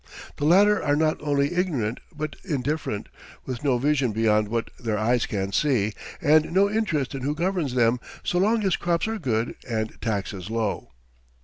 The latter are not only ignorant but indifferent, with no vision beyond what their eyes can see, and no interest in who governs them, so long as crops are good and taxes low.